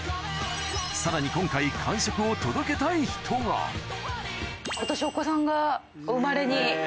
さらに今回今年お子さんがお生まれに。